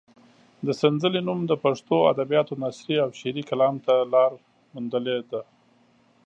د سنځلې نوم د پښتو ادبیاتو نثري او شعري کلام ته لاره موندلې ده.